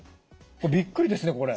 びっくりですねこれ。